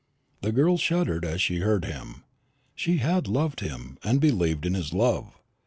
The girl shuddered as she heard him. She had loved him, and believed in his love.